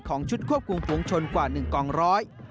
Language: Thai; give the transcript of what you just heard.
ของชุดควบคุมปวงชนกว่า๑กล่องร้อย